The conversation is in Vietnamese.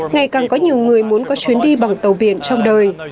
ngày càng có nhiều người muốn có chuyến đi bằng tàu biển trong đời